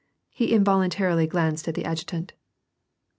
He involuntarily glanced at the adjutant.